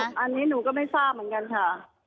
อันนี้หนูก็ไม่ทราบเหมือนกันค่ะ